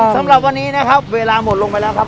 สำหรับวันนี้นะครับเวลาหมดลงไปแล้วครับ